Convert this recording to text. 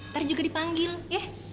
nanti juga dipanggil ya